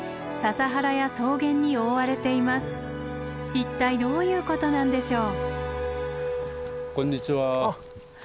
一体どういうことなんでしょう？